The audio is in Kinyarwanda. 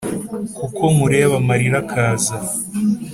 Kuko nkureba amarira akaza